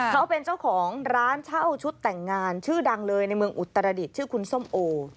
เขาเป็นเจ้าของร้านเช่าชุดแต่งงานชื่อดังเลยในเมืองอุตรดิษฐ์ชื่อคุณส้มโอ